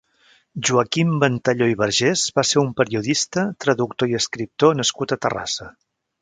Joaquim Ventalló i Vergés va ser un periodista, traductor i escriptor nascut a Terrassa.